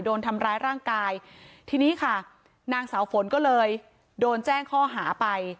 โดนทำร้ายร่างกายทีนี้ค่ะนางสาวฝนก็เลยโดนแจ้งข้อหาไป